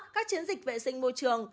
các chiến dịch vệ sinh môi trường